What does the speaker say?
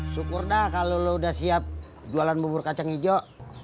syukur dah kalau lo udah siap jualan bubur kacang hijau